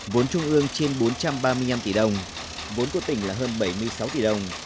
vốn trung ương trên bốn trăm ba mươi năm tỷ đồng vốn của tỉnh là hơn bảy mươi sáu tỷ đồng